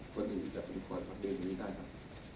คนอื่นก็ต้องคอยประเบิดอย่างนี้ได้ครับ